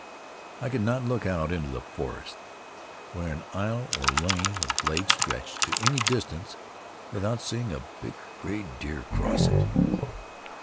I could not look out into the forest where an aisle or lane or glade stretched to any distance, without seeing a big gray deer cross it.